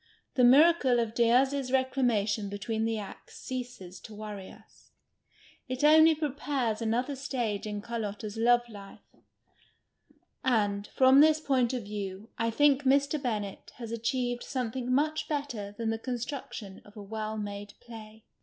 The miracle of Diaz's reclamation between the acts ceases to worry us ; it only prepares another stage in Carlotta's love life. And, from this point of view, I think Mr. Bennett has achieved something much better than the construction of a well made play.